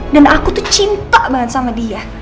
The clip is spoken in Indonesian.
aku tuh cinta banget sama dia